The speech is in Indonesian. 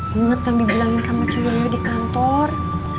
ingat yang dibilangin sama cuyungnya di kantor